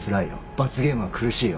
罰ゲームは苦しいよ。